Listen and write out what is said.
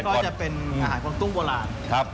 ก็จะเป็นอาหารคนตุ้งโบราณ